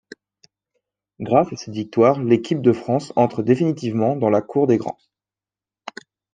Grâce à cette victoire l'équipe de France entre définitivement dans la cour des grands.